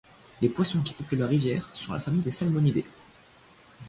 Les poissons qui peuplent la rivière sont la famille des salmonidés.